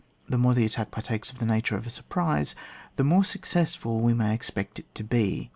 The more the attack par takes of the nature of a surprise, the more successful we may expect to be.